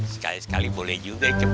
sekali sekali boleh juga